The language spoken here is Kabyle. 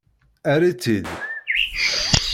Err-itt-id!